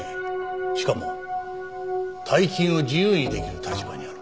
しかも大金を自由に出来る立場にある。